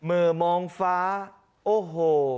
เมื่อมองฟ้าโอ้หัว